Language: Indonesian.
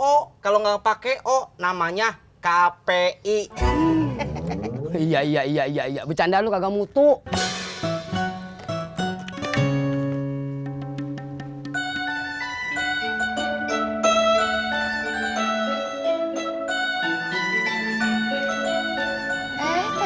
oh kalau nggak pakai oh namanya kpi iya iya iya iya bercanda lu kagak mutu eh ke